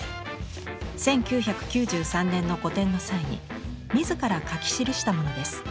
１９９３年の個展の際に自ら書き記したものです。